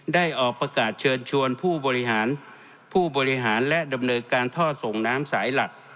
ได้ออกประกาศเชิญชวนผู้บริหารผู้บริหารและดำเนินการท่อส่งน้ำสายหลัก